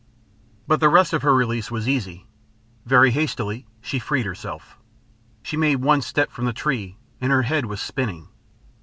But the rest of her release was easy. Very hastily she freed herself. She made one step from the tree, and her head was spinning.